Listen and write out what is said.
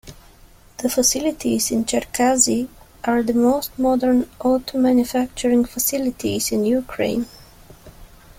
The facilities in Cherkasy are the most modern auto-manufacturing facilities in Ukraine.